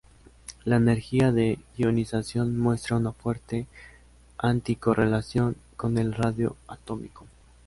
La energía de ionización muestra una fuerte anti-correlación con el radio atómico.